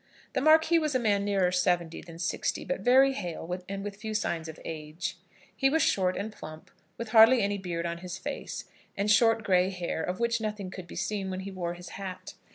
The Marquis was a man nearer seventy than sixty, but very hale, and with few signs of age. He was short and plump, with hardly any beard on his face, and short grey hair, of which nothing could be seen when he wore his hat.